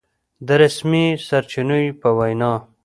د رسمي سرچينو په وينا